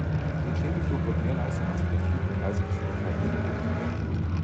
Für den Schwebeflug wird mehr Leistung als für den Flug mit Reisegeschwindigkeit benötigt.